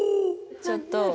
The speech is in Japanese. ちょっと！